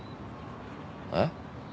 えっ？